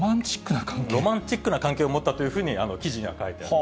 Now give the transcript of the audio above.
ロマンチックな関係を持ったというふうに記事には書いてある。